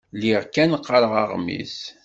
Lliɣ kan qqareɣ aɣmis.